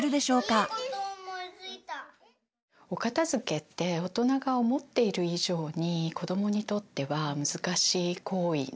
お片づけって大人が思っている以上に子どもにとっては難しい行為なんですよね。